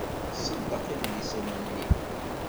Tṣeddeq idlisen-nni.